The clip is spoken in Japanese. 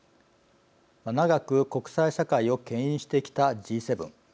長く国際社会をけん引してきたＧ７。